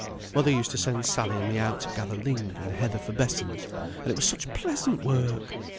Mother used to send Sally and me out to gather ling and heather for besoms, and it was such pleasant work!